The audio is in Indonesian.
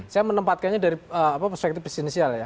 saya menempatkannya dari perspektif presiden sosial ya